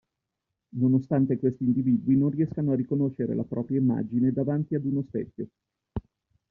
Nonostante questi individui non riescano a riconoscere la propria immagine davanti ad uno specchio.